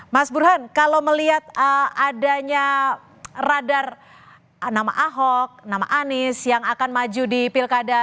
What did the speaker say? mas burhan kalau melihat adanya radar nama ahok nama anies yang akan maju di pilkada